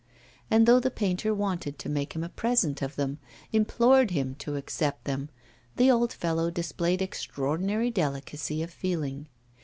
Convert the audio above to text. And though the painter wanted to make him a present of them, implored him to accept them, the old fellow displayed extraordinary delicacy of feeling.